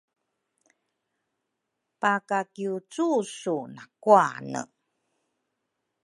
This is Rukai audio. pakakiucusu nakuane.